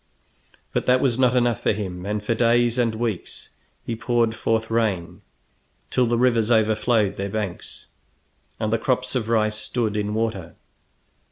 But that was not enough for him, and for days and weeks he poured forth rain till the rivers overflowed their banks and the crops of rice stood in water.